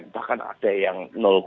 bahkan ada yang